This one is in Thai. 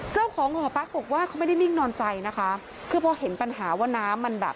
เจ้าของหอปั๊กบอกว่าเขาไม่ได้นิ่งนอนใจนะคะคือพอเห็นปัญหาว่าน้ำมันแบบ